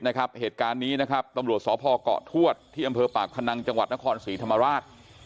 และเหตุการณ์นี้นะครับตำรวจส๕คถวดที่อำเภอปากฑนังนครศรีธรรมราช